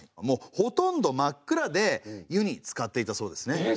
もうほとんど真っ暗で湯につかっていたそうですね。